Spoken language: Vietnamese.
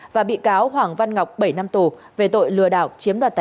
và bị cáo hoàng văn ngọc bảy năm tù về tội lừa đảo chiếm đoạt tài sản